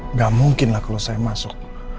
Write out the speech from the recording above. nggak mungkin lah kalau saya masuk